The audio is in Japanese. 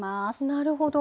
なるほど。